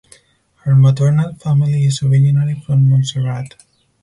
Her maternal family is originally from Montserrat.